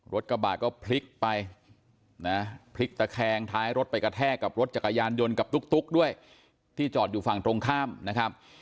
รถกระบะก็พลิกไปนะพลิกตะแคงท้ายรถไปกระแทกกับรถจักรยานยนต์กับตุ๊กด้วยที่จอดอยู่ฝั่งตรงข้ามนะครับ